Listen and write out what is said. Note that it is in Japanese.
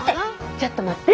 ちょっと待って。